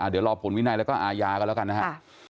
เดี๋ยวรอผลวินัยแล้วก็อาญากันแล้วกันนะครับ